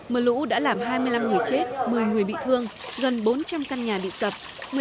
mưa lũ đã làm hai mươi năm người chết một mươi người bị thương gần bốn trăm linh căn nhà bị sập